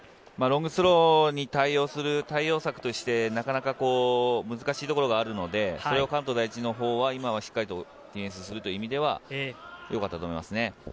ロングスローに対応策として、なかなか難しいところがあるので、それを関東第一のほうは今はしっかりディフェンスするという意味ではよかったと思います。